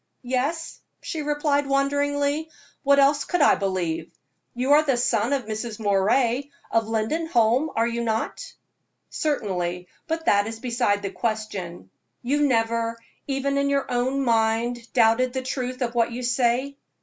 "Yes," she replied, wonderingly, "what else could I believe? You are the son of Mrs. Moray, of Lindenholm, are you not?" "Certainly; but that is beside the question. You never, even in your own mind, doubted the truth of what you say?"